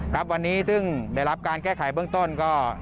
ครับวันนี้ซึ่งได้รับการแก้ไขเบื้องต้นก็